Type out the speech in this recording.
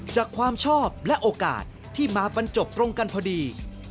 จากความชอบและโอกาสที่มาบรรจบตรงกันพอดี